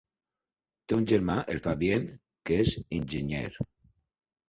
Té un germà, el Fabien, que és enginyer.